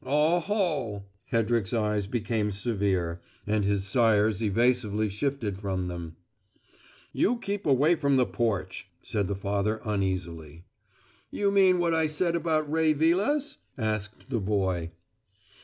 "Oho!" Hedrick's eyes became severe, and his sire's evasively shifted from them. "You keep away from the porch," said the father, uneasily. "You mean what I said about Ray Vilas?" asked the boy.